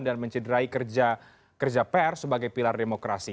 dan mencederai kerja pr sebagai pilar demokrasi